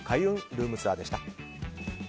ルームツアー！でした。